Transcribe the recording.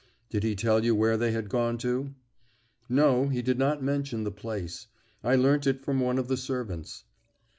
"Did he tell you where they had gone to?" "No, he did not mention the place. I learnt it from one of the servants."